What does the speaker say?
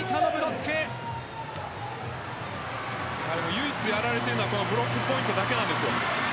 唯一やられているのはブロックポイントだけなんです。